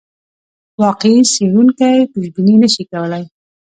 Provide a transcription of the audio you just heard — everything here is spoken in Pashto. واقعي څېړونکی پیشبیني نه شي کولای.